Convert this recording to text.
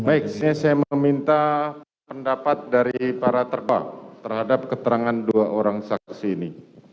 baik saya meminta pendapat dari para terpak terhadap keterangan dua orang saksi ini